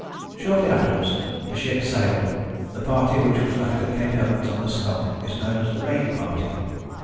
Shortly afterwards the ship sailed. The party which was left at Cape Evans under Scott is known as the Main Party.